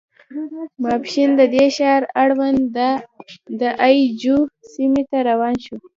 ماسپښین د دې ښار اړوند د اي جو سیمې ته روان شوو.